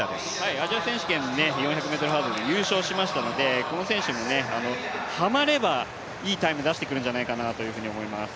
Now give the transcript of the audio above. アジア選手権４００ｍハードル優勝しましたのでこの選手もハマれば、いいタイム出してくるんじゃないかなと思います。